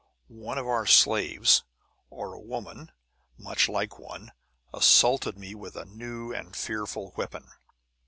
One of our slaves, or a woman much like one, assaulted me with a new and fearful weapon."